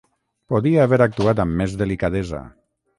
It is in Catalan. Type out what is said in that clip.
Podia haver actuat amb més delicadesa.